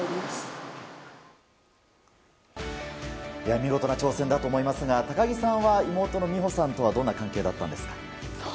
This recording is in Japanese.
見事な挑戦だと思いますが高木さんは妹の美帆さんとはどんな関係だったんですか？